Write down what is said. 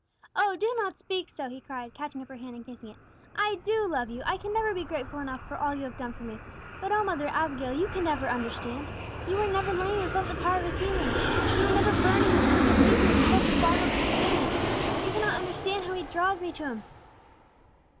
"Oh, do not speak so!" he cried, catching up her hand and kissing it. "I do love you; I can never be grateful enough for all you have done for me. But, O mother Abigail, you could never understand! You were never lame and felt the power of His healing. You were never burning with a wicked hatred, and felt the balm of His forgiveness! You cannot understand how He draws me to Him!"